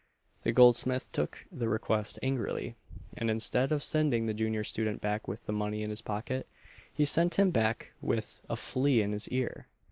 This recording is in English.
The goldsmith took the request angrily; and instead of sending the junior student back with the money in his pocket, he sent him back with "a flea in his ear."